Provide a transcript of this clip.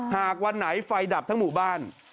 หากวันไหนไฟดับทั้งหมู่บ้าน